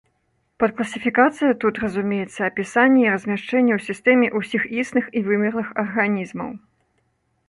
Пад класіфікацыяй тут разумеецца апісанне і размяшчэнне ў сістэме ўсіх існых і вымерлых арганізмаў.